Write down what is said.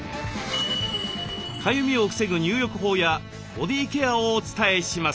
かゆみを防ぐ入浴法やボディーケアをお伝えします。